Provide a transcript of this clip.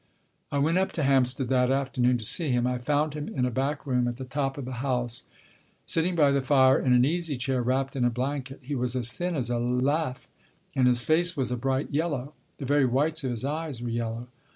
I went up to Hampstead that afternoon to see him. I found him in a back room, at the top of the house, sitting by the fire in an easy chair, wrapped in a blanket. He was as thin as a lath and his face was a bright yellow. The very whites of his eyes were yellow.